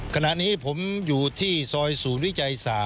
ขณะนี้ผมอยู่ที่ซอยศูนย์วิจัย๓